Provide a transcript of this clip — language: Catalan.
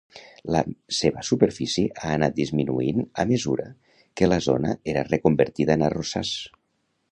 La seva superfície ha anat disminuint a mesura que la zona era reconvertida en arrossars.